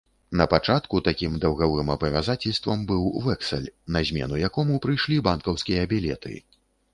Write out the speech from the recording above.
Напачатку такім даўгавым абавязацельствам быў вэксаль, на змену якому прыйшлі банкаўскія білеты.